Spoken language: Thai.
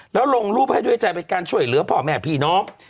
แล้วลงรูปให้ด้วยใจเป็นการช่วยเหลือพ่อแม่พี่น้อง